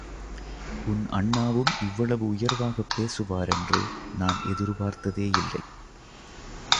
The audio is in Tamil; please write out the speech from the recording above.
உன் அண்ணாவும் இவ்வளவு உயர்வாகப் பேசுவாரென்று நான் எதிர் பார்த்ததே இல்லை.